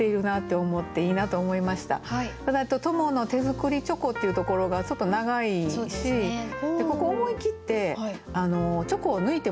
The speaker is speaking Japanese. ただ「友の手作りチョコ」っていうところがちょっと長いしここ思い切って「チョコ」を抜いてもいいかなと思いました。